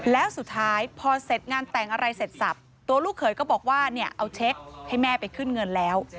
แล้วสุดท้ายพอเสร็จงานแต่งอะไรเสร็จสับตัวลูกเขยก็บอกว่าเนี่ยเอาเช็คให้แม่ไปขึ้นเงินแล้ว